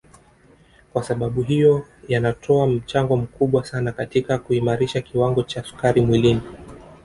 Kwasababu hiyo yanatoa mchango mkubwa sana katika kuimarisha kiwango cha sukari mwilini